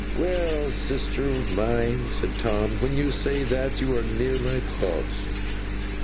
'Well, sister of mine,' said Tom, 'when you say that, you are near my thoughts.